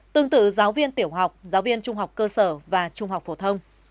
tương tự giáo viên tiểu học giáo viên trung học cơ sở và trung học phổ thông